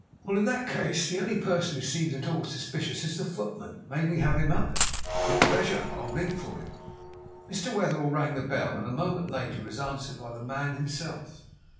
"Well, in that case, the only person who seems at all suspicious is the footman. May we have him up?" "With pleasure. I'll ring for him." Mr. Wetherell rang the bell, and a moment later it was answered by the man himself.